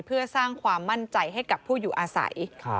เพื่อสร้างความมั่นใจให้กับผู้อยู่อาศัย